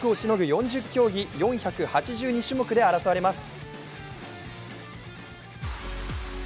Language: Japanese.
４０競技８２種目で争われます。